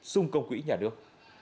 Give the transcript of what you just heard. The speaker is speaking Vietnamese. xung công quỹ nhà nước